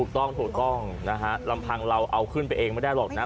ถูกต้องรำพังเราเอาขึ้นไปเองไม่ได้หรอกนะ